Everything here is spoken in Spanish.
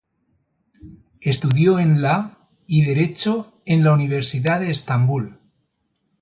Estudió en la y derecho en la Universidad de Estambul.